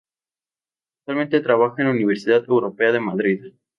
Actualmente trabaja en la Universidad Europea de Madrid.